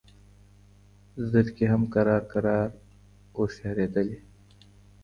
زرکي هم کرار کرار هوښیارېدلې